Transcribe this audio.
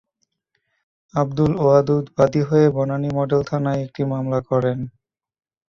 আবদুল ওয়াদুদ বাদী হয়ে বনানী মডেল থানায় একটি মামলা করেন।